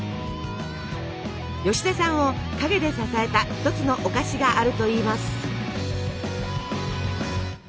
吉田さんを陰で支えた一つのお菓子があるといいます。